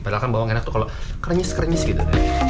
padahal bawang enak tuh kalau keringis keringis gitu